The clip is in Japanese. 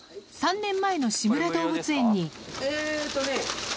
３年前の『志村どうぶつ園』にえっとね。